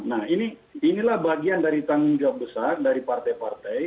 nah inilah bagian dari tanggung jawab besar dari partai partai